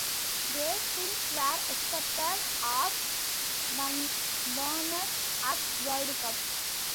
Great things were expected of Barnes at World Cup.